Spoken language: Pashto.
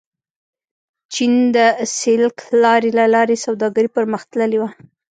چین د سیلک لارې له لارې سوداګري پرمختللې وه.